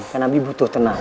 kan abi butuh tenaga